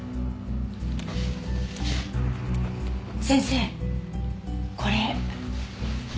先生これ。